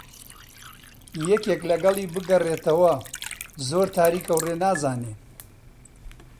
یەکێک لەگەڵی بگەڕێتەوە، زۆر تاریکە و ڕێ نازانێ